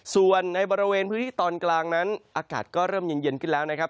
ส่วนในบริเวณพื้นที่ตอนกลางนั้นอากาศก็เริ่มเย็นขึ้นแล้วนะครับ